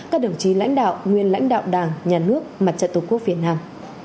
các đồng chí lãnh đạo nguyên lãnh đạo đảng nhà nước mặt trận tổ quốc việt nam